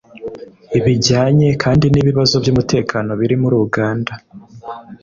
Bijyanye kandi n’ibibazo by’umutekano biri muri Uganda